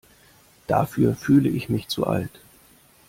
Dafür fühle ich mich zu alt.